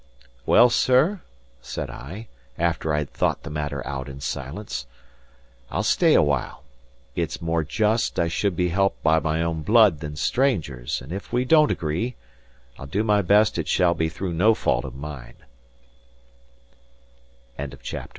"Well, sir," said I, after I had thought the matter out in silence, "I'll stay awhile. It's more just I should be helped by my own blood than strangers; and if we don't agree, I'll do my best it shall be through n